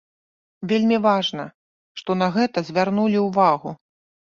Вельмі важна, што на гэта звярнулі ўвагу.